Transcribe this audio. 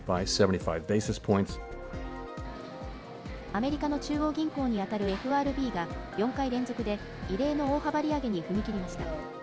アメリカの中央銀行に当たるＦＲＢが、４回連続で異例の大幅利上げに踏み切りました。